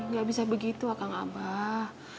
gak bisa begitu akan abah